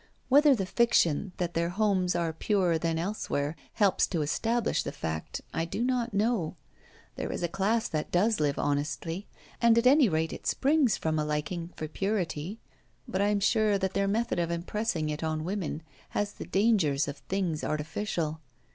Whether the fiction, that their homes are purer than elsewhere, helps to establish the fact, I do not know: there is a class that does live honestly; and at any rate it springs from a liking for purity; but I am sure that their method of impressing it on women has the dangers of things artificial.